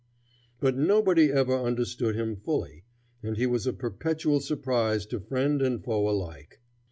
But nobody ever understood him fully, and he was a perpetual surprise to friend and foe alike.